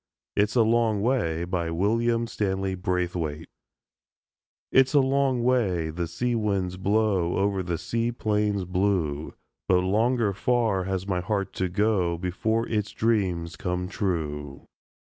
IT'S A LONG WAY WILLIAM STANLEY BRAITHWAITE It's a long way the sea winds blow Over the sea plains blue, But longer far has my heart to go Before its dreams come true.